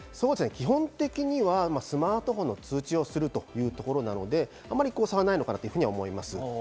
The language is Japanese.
基本的にはスマートフォンへの通知をするということなので、あまり差はないのかなと思います。